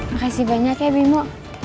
makasih banyak ya bima